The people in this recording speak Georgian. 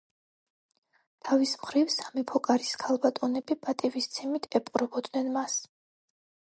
თავის მხრივ, სამეფო კარის ქალბატონები პატივისცემით ეპყრობოდნენ მას.